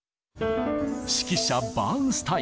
指揮者バーンスタイン。